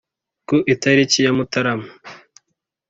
ku itariki ya Mutarama